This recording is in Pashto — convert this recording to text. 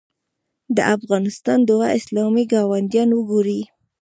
د افغانستان دوه اسلامي ګاونډیان وګورئ.